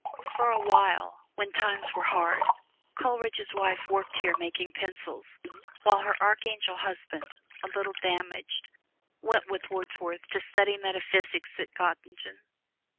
For a while, when times were hard, Coleridge's wife worked here making pencils, while her archangel husband (a little damaged) went with Wordsworth to study metaphysics at Gottingen.